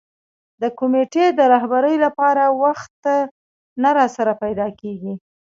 د کمېټې د رهبرۍ لپاره وخت نه راسره پیدا کېږي.